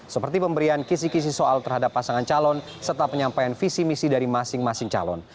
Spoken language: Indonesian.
seperti pemberian kisi kisi soal terhadap pasangan calon serta penyampaian visi misi dari masing masing calon